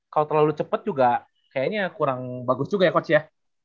kalau terlalu cepat juga kayaknya kurang bagus juga ya coach ya